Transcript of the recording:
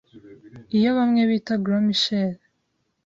iyo bamwe bita Gros Michel